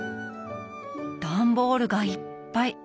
段ボールがいっぱい。